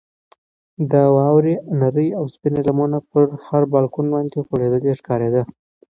د واورې نرۍ او سپینه لمنه پر هر بالکن باندې غوړېدلې ښکارېده.